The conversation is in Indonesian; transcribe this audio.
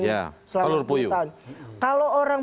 selama dua puluh tahun ya pelur puyuh kalau orang